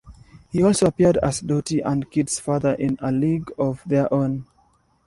He also appeared as Dottie and Kit's father in "A League of Their Own".